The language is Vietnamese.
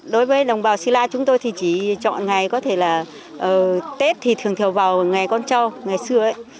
đối với đồng bào si la chúng tôi thì chỉ chọn ngày có thể là tết thì thường thường vào ngày con trâu ngày xưa ấy